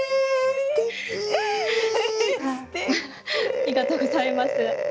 ありがとうございます。